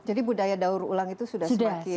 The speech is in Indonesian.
jadi budaya daur ulang itu sudah semakin ada